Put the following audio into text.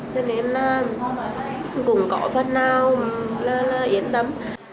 cho nên là cũng có phần nào là yên tâm